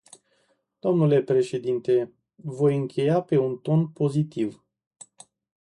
Domnule președinte, voi încheia pe un ton pozitiv.